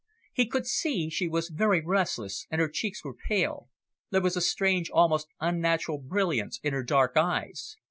He could see she was very restless, and her cheeks were pale; there was a strange, almost unnatural brilliance in her dark eyes.